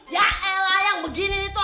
ya elah yang begini tuh